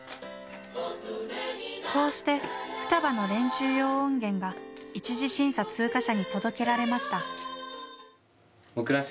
こうして「双葉」の練習用音源が１次審査通過者に届けられました。